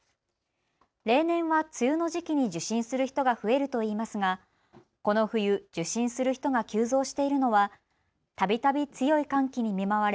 例年は梅雨の時期に受診する人が増えるといいますがこの冬、受診する人が急増しているのはたびたび強い寒気に見舞われ